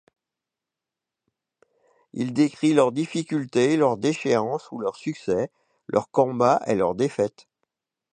Il décrit leurs difficultés, leur déchéance ou leurs succès, leurs combats et leurs défaites.